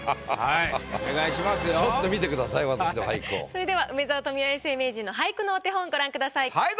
それでは梅沢富美男永世名人の俳句のお手本ご覧ください。